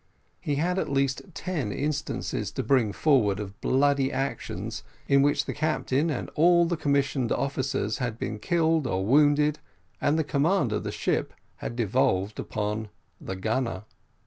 He had at least ten instances to bring forward of bloody actions, in which the captain and all the commissioned officers had been killed or wounded, and the command of the ship had devolved upon the gunner.